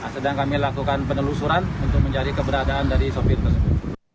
sedang kami lakukan penelusuran untuk mencari keberadaan dari sopir tersebut